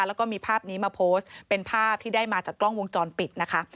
แล้วก็มีภาพนี้มาโพสต์เป็นภาพที่ได้มาจากกล้องวงจรปิดนะคะ